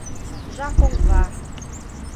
Japonvar